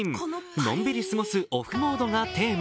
のんびり過ごすオフモードがテーマ。